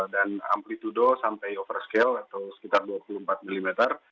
dan amplitude sampai over scale atau sekitar dua puluh empat mm